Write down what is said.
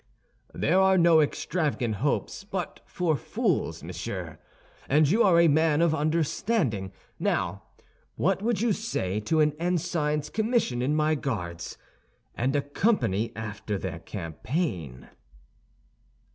"There are no extravagant hopes but for fools, monsieur, and you are a man of understanding. Now, what would you say to an ensign's commission in my Guards, and a company after the campaign?"